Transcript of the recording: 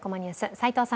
齋藤さん